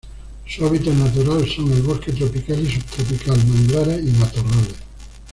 Su hábitat natural son el bosque tropical y subtropical, manglares y matorrales.